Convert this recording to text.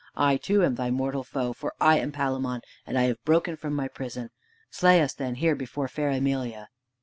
I too am thy mortal foe, for I am Palamon, and I have broken from my prison. Slay us then, here before fair Emelia."